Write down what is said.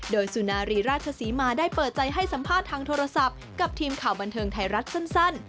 โดยสุนารีราชศรีมาได้เปิดใจให้สัมภาษณ์ทางโทรศัพท์กับทีมข่าวบันเทิงไทยรัฐสั้น